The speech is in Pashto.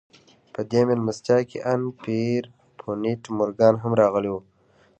په دې مېلمستيا کې ان پيرپونټ مورګان هم راغلی و.